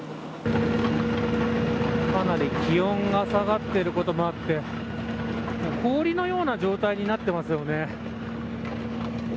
かなり気温が下がっていることもあって氷のような状態になってますよね。